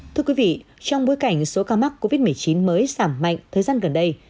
thưa quý vị trong bối cảnh số ca mắc covid một mươi chín mới giảm mạnh thời gian gần đây